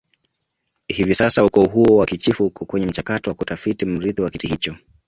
Hivi sasa ukoo huo wakichifu uko kwenye mchakato wa kutafiti mrithi wa kiti hicho